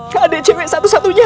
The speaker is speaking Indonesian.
kd cewek satu satunya